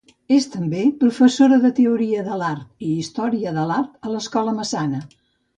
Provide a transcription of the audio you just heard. És també professora de Teoria de l'Art i Història de l'Art a l'Escola Massana.